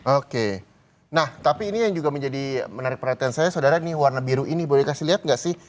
oke nah tapi ini yang juga menjadi menarik perhatian saya saudara ini warna biru ini boleh dikasih lihat nggak sih